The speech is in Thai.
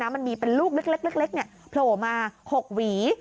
มันมีเป็นลูกเล็กโผล่มา๖หวี